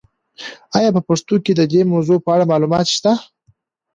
آیا په پښتو کې د دې موضوع په اړه معلومات شته؟